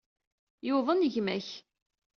Yuḍen gma-k.